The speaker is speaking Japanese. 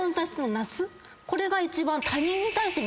これが一番。